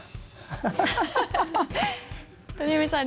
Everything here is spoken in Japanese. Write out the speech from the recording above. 鳥海さん